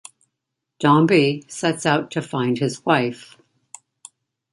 Dombey sets out to find his wife.